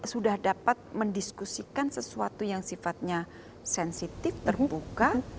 sudah dapat mendiskusikan sesuatu yang sifatnya sensitif terbuka